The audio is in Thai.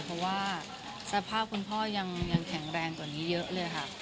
เพราะว่าสภาพคุณพ่อยังแข็งแรงกว่านี้เยอะเลยค่ะ